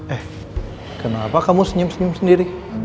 eh kenapa kamu senyum senyum sendiri